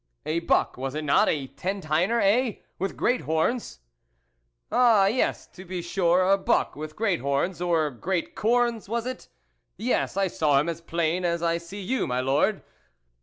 " A buck, was it not ? a ten tiner, eh ? with great horns. " Ah, yes to be sure, a buck, with great horns, or great corns, was it ? yes, I saw him as plain as I see you, my Lord.